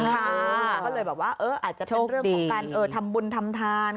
ก็เลยแบบว่าอาจจะเป็นเรื่องของการทำบุญทำทาน